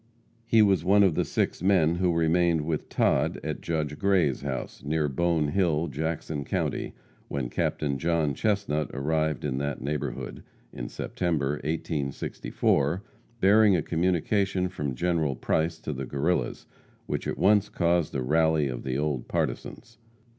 He was one of the six men who remained with Todd at Judge Gray's house, near Bone Hill, Jackson county, when Captain John Chestnut arrived in that neighborhood, in September, 1864, bearing a communication from General Price to the Guerrillas, which at once caused a rally of the old partisans.